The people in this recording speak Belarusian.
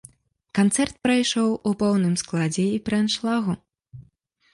Канцэрт прайшоў у поўным складзе і пры аншлагу.